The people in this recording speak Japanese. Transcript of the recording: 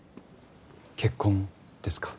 結婚ですか？